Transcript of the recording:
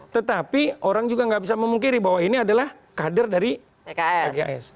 tetapi orang juga nggak bisa memungkiri bahwa ini adalah kader dari pks